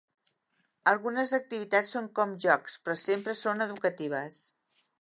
Algunes activitats són com jocs, però sempre són educatives.